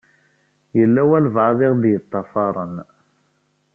Yella walebɛaḍ i ɣ-d-iṭṭafaṛen.